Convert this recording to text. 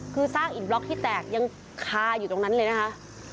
คือซากอิดบล็อกที่แตกยังคาอยู่ตรงนั้นเลยนะคะ